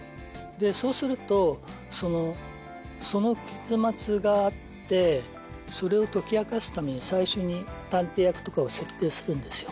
そうするとその結末があってそれを解き明かすために最初に探偵役とかを設定するんですよ。